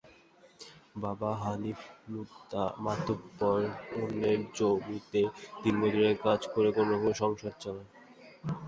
বাবা হানিফ মাতুব্বর অন্যের জমিতে দিনমজুরের কাজ করে কোনো রকমে সংসার চালান।